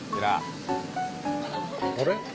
あれ？